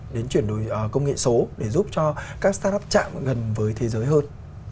đến chuyển đổi công nghệ số để giúp cho các start up chạm gần với thế giới hơn